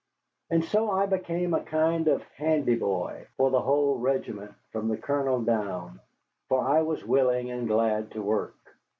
And so I became a kind of handy boy for the whole regiment from the Colonel down, for I was willing and glad to work.